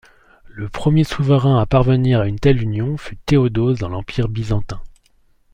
Le premier souverain à parvenir à une telle union fut Théodose dans l'Empire byzantin.